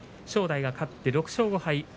正代が勝って６勝５敗。